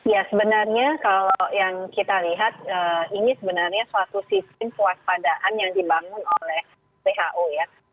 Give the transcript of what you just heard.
ya sebenarnya kalau yang kita lihat ini sebenarnya suatu sistem kewaspadaan yang dibangun oleh who ya